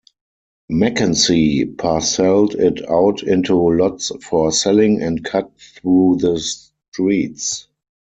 Mackenzie parcelled it out into lots for selling and cut through the streets.